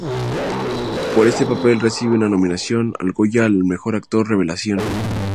Por este papel recibe una nominación al Goya al mejor actor revelación.